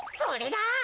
それだ！